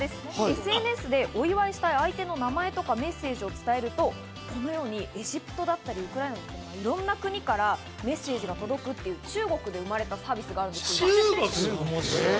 ＳＮＳでお祝いしたい相手の名前とかメッセージを伝えるとこのようにエジプトだったり、いろんな国からメッセージが届くという中国で生まれたサービスがあるそうです。